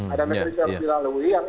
ada negeri yang harus dilalui